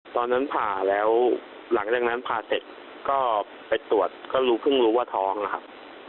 ผ่าแล้วหลังจากนั้นผ่าเสร็จก็ไปตรวจก็รู้เพิ่งรู้ว่าท้องนะครับ